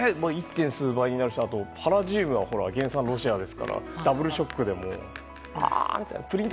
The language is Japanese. １点数倍になるしパラジウムの原産はロシアなのでダブルショックで。